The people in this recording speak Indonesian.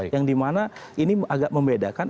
yang dimana ini agak membedakan